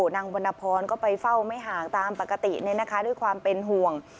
นางวรรณพรก็ไปเฝ้าไม่ห่างตามปกติด้วยความเป็นห่วง